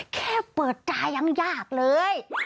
แค่เปิดใจยังยากเลย